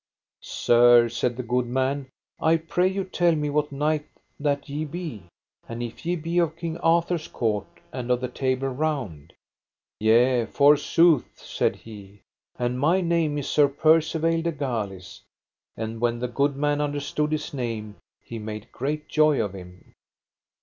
Sir, said the good man, I pray you tell me what knight that ye be, and if ye be of King Arthur's court and of the Table Round. Yea forsooth, said he, and my name is Sir Percivale de Galis. And when the good man understood his name he made great joy of him.